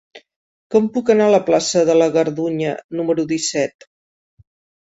Com puc anar a la plaça de la Gardunya número disset?